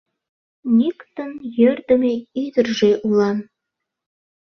Нӱктын йӧрдымӧ ӱдыржӧ улам.